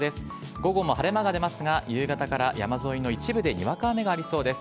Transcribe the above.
午後も晴れ間が出ますが、夕方から山沿いの一部でにわか雨がありそうです。